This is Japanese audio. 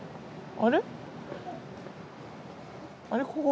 あれ？